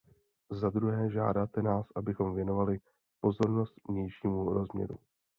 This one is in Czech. Za druhé, žádáte nás, abychom věnovali pozornost vnějšímu rozměru.